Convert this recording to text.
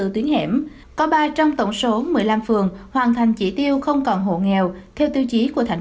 tuyến hẻm có ba trong tổng số một mươi năm phường hoàn thành chỉ tiêu không còn hộ nghèo theo tiêu chí của thành